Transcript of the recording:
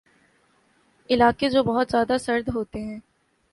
علاقے جو بہت زیادہ سرد ہوتے ہیں